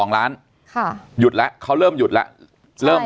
๒ล้านหยุดแล้วเขาเริ่มหยุดแล้ว